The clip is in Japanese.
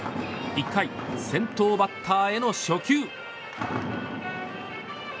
１回、先頭バッターへの初球。